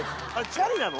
チャリなの？